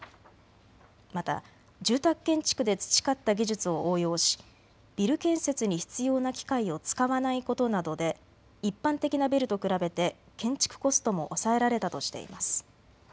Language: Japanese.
また住宅建築で培った技術を応用しビル建設に必要な機械を使わないことなどで一般的なビルと比べて建築コストも抑えられたとしています。